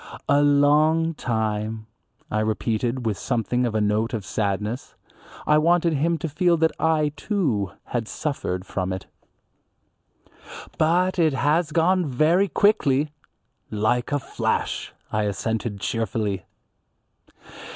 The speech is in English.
"A long time," I repeated with something of a note of sadness. I wanted him to feel that I, too, had suffered from it. "But it has gone very quickly." "Like a flash," I assented cheerfully.